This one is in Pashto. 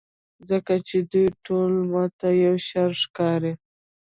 ځکه چې دوی ټول ماته یوشان ښکاري.